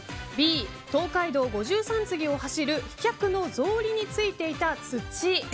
Ｂ、東海道五十三次を走る飛脚のぞうりについていた土。